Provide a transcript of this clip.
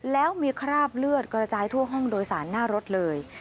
แล้วมีคราบเลือดกระจายทั่วห้องโดยสารหน้ารถเลย